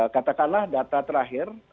katakanlah data terakhir